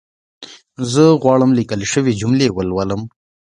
زه غواړم ليکل شوې جملي ولولم